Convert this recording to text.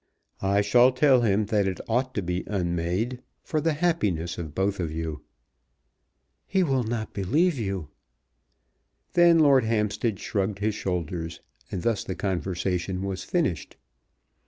"I shall tell him that it ought to be unmade, for the happiness of both of you." "He will not believe you." Then Lord Hampstead shrugged his shoulders, and thus the conversation was finished.